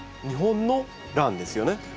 日本のランですよね？